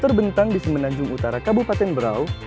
terbentang di semenanjung utara kabupaten berau